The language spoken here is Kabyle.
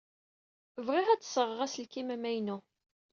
Bɣiɣ ad d-sɣeɣ aselkim amaynu.